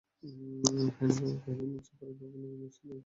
হারানবাবু কহিলেন, নিশ্চয়ই পরেশবাবু বিনয়ের এই বাধ্যতায় খুবই খুশি হয়েছেন।